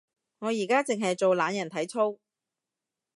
我而家淨係做懶人體操